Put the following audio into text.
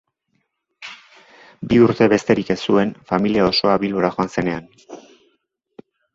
Bi urte besterik ez zuen familia osoa Bilbora joan zenean.